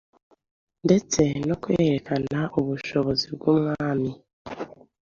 ndetse no kwerekana ubushobozi bw’umwami.